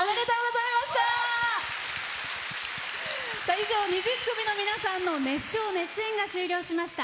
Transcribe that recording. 以上２０組の皆さんの熱唱・熱演が終了しました。